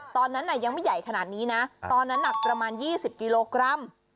ตอนนั้นยังไม่ใหญ่ขนาดนี้นะตอนนั้นหนักประมาณ๒๐กิโลกรัม